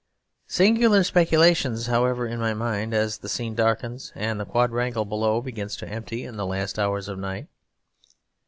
Singular speculations hover in my mind as the scene darkens and the quadrangle below begins to empty in the last hours of night.